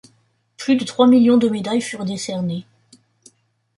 Plus de trois millions de médailles furent décernées.